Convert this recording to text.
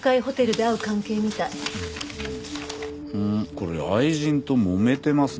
これ愛人ともめてますね。